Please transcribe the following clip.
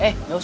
eh gak usah